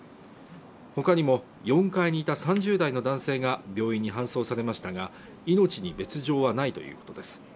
他にも４階にいた３０代の男性が病院に搬送されましたが命に別条はないということです。